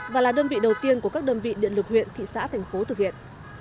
và là đơn vị đầu tiên của các đơn vị điện lực huyện thị xã thành phố thực hiện